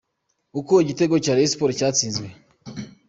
Uko igitego cya Reyo siporo cyatsinzwe.